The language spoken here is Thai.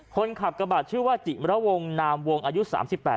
คนขับกระบาดชื่อว่าจิไวราวงค์นามวงของอายุ๓๘บาท